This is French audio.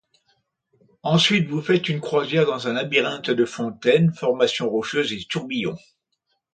Ensuite vous faites une croisière dans un labyrinthe de fontaines, formations rocheuses et tourbillons.